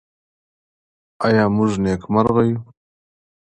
آیا موږ نېکمرغه یو؟